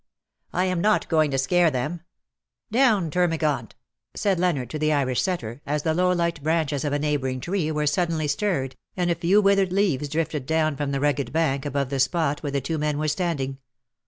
" I am not going to scare them. Down, Terma gant," said Leonard to the Irish setter, as the low light branches of a neighbouring tree were suddenly stirred, and a few withered leaves drifted down from the rugged bank above the spot where the two men were standing.